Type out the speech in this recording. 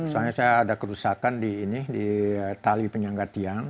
soalnya saya ada kerusakan di tali penyangga tiang